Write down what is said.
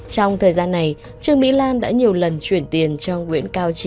trong thời gian này trương mỹ lan đã nhiều lần chuyển tiền cho nguyễn cao trí